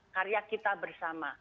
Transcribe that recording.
karya kita bersama